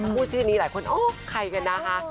พูดชื่อนี้หลายคนโอ้ใครกันนะคะ